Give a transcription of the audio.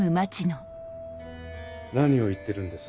何を言ってるんです？